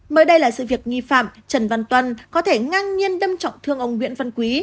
mới đây là sự việc nghi phạm trần văn tuân có thể ngang nhiên đâm trọng thương ông nguyễn văn quý